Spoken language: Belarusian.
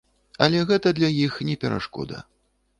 Але гэта для іх не перашкода.